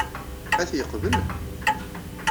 Ad t-yeqbel?